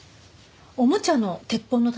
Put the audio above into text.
おもちゃの鉄砲の弾？